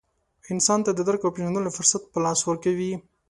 انسان ته د درک او پېژندلو فرصت په لاس ورکوي.